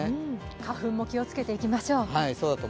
花粉も気をつけていきましょう。